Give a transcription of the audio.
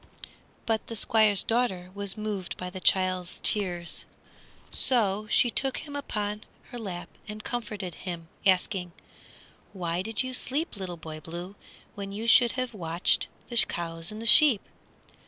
But the Squire's daughter was moved by the child's tears, so she took him upon her lap and comforted him, asking, "Why did you sleep, Little Boy Blue, when you should have watched the cows and the sheep?"